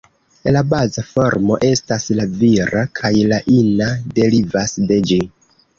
La baza formo estas la vira, kaj la ina derivas de ĝi.